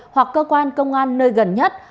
hoặc cơ quan công an nơi gần nhất